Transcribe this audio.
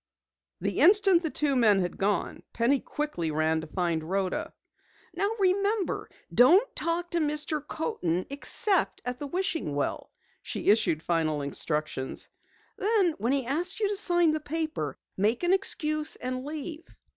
The instant the two men had gone, Penny quickly ran to find Rhoda. "Now remember, don't talk to Mr. Coaten except at the wishing well," she issued final instructions. "Then when he asks you to sign the paper, make an excuse and leave."